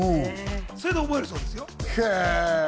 それで覚えるそうです。